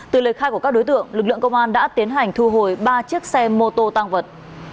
từ lời khai của các đối tượng lực lượng công an đã tiến hành thu hồi ba chiếc xe mô tô tăng vật